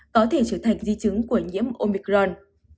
có thể trở thành di chứng của nhiễm omicron